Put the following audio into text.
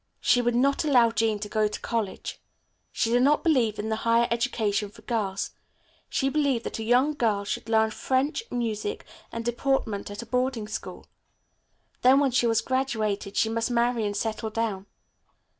She would not allow Jean to go to college. She did not believe in the higher education for girls. She believed that a young girl should learn French, music and deportment at a boarding school. Then when she was graduated she must marry and settle down.